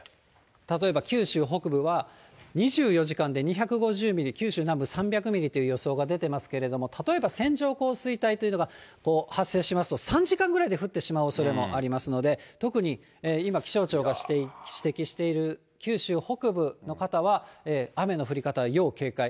例えば九州北部は、２４時間で２５０ミリ、九州南部、３００ミリという予想が出てますけれども、例えば線状降水帯というのが発生しますと、３時間ぐらいで降ってしまうおそれもありますので、特に今、気象庁が指摘している九州北部の方は、雨の降り方、要警戒。